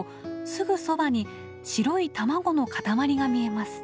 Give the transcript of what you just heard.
すぐそばに白い卵の塊が見えます。